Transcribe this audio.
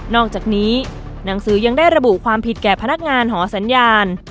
อกจากนี้หนังสือยังได้ระบุความผิดแก่พนักงานหอสัญญาณ